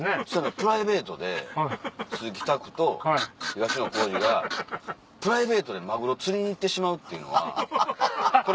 プライベートで鈴木拓と東野幸治がプライベートでマグロ釣りに行ってしまうっていうのはこれ。